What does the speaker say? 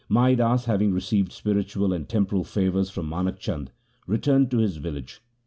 Mai Das, having received spiritual and temporal favours from Manak Chand, returned to his village.